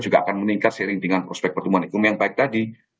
juga akan meningkat seiring dengan prospek pertumbuhan ekonomi yang baik tadi